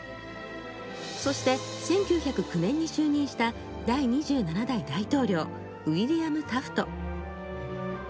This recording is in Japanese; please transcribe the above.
そして、１９０９年に就任した第７代大統領ウィリアム・タフト。